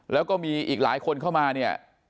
แล้วก็มีอีกหลายคนเข้ามาเนี่ย